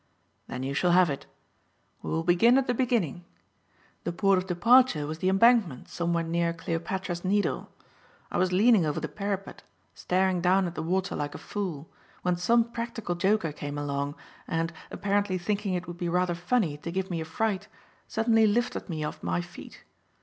"Then you shall have it. We will begin at the beginning. The port of departure was the Embankment somewhere near Cleopatra's Needle. I was leaning over the parapet, staring down at the water like a fool, when some practical joker came along, and, apparently thinking it would be rather funny to give me a fright, suddenly lifted me off my feet.